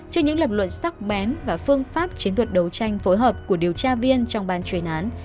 trước những lập luận sắc bén và phương pháp chiến thuật đấu tranh phối hợp của điều tra viên trong ban chuyên án